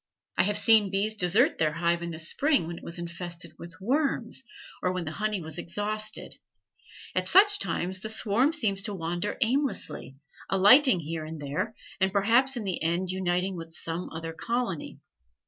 I have seen bees desert their hive in the spring when it was infested with worms, or when the honey was exhausted; at such times the swarm seems to wander aimlessly, alighting here and there, and perhaps in the end uniting with some other colony.